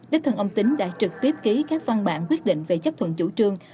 đức thần ông tính đã trực tiếp ký các văn bản quyết định về chấp thuận chủ trương